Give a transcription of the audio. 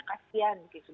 ya mungkin karena kasian